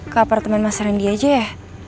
ke apartemen mas rendy aja ya